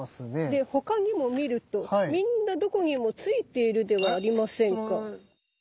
で他にも見るとみんなどこにもついているではありませんか。